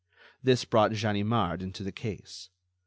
This brought Ganimard into the case.